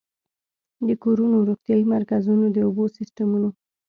د کورونو، روغتيايي مرکزونو، د اوبو سيستمونو